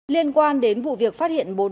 liên quan đến vụ việc phát hiện bồn